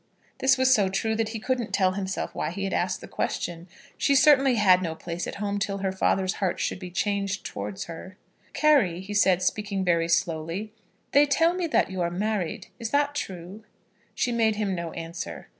This was so true that he couldn't tell himself why he had asked the question. She certainly had no place at home till her father's heart should be changed towards her. "Carry," said he, speaking very slowly, "they tell me that you are married. Is that true?" She made him no answer.